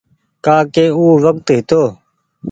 ڪآ ڪي او وکت هيتو۔